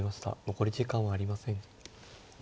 残り時間はありません。